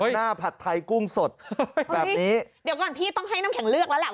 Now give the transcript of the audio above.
หน้าผัดไทยกุ้งสดแบบนี้เดี๋ยวก่อนพี่ต้องให้น้ำแข็งเลือกแล้วแหละ